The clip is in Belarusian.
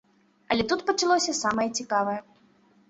Але тут пачалося самае цікавае.